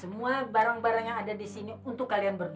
semua barang barang yang ada disini untuk kalian berdua